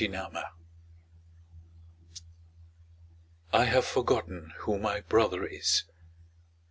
*^ I have forgotten who my brother is.